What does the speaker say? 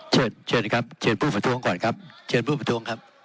ขอประท้วงครับขอประท้วงครับขอประท้วงครับขอประท้วงครับ